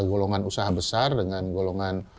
golongan usaha besar dengan golongan